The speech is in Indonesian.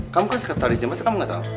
kamu kan sekretarisnya masa kamu gak tau